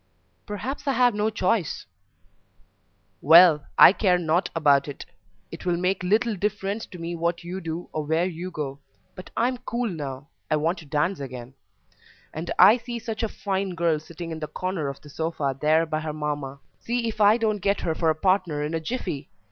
"Perhaps I have no choice." "Well, I care nought about it it will make little difference to me what you do or where you go; but I'm cool now I want to dance again; and I see such a fine girl sitting in the corner of the sofa there by her mamma; see if I don't get her for a partner in a jiffy!